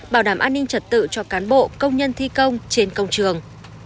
bảo đảm an ninh trật tự cho cán bộ công nhân thi công trên công trường